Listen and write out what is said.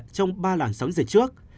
trong ba làng sóng dịch trước